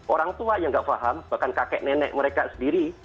orang tua yang tidak paham bahkan kakek nenek mereka sendiri